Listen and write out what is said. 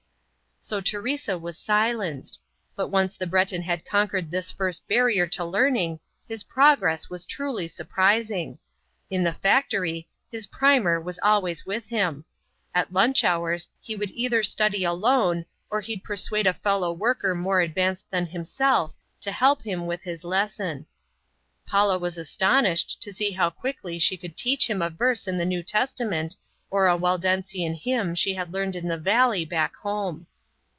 So Teresa was silenced. But once the Breton had conquered this first barrier to learning his progress was truly surprising. In the factory his "primer" was always with him. At lunch hours he would either study alone, or he'd persuade a fellow worker more advanced than himself to help him with his lesson. Paula was astonished to see how quickly she could teach him a verse in the New Testament or a Waldensian hymn she had learned in the valley back home.